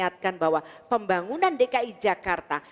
saya ingatkan bahwa pembangunan dki jakarta